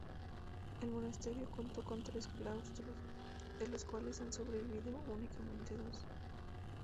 El monasterio contó con tres claustros, de los cuales han sobrevivido únicamente dos.